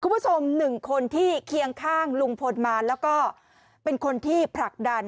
คุณผู้ชมหนึ่งคนที่เคียงข้างลุงพลมาแล้วก็เป็นคนที่ผลักดัน